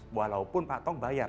walaupun pak tong bayar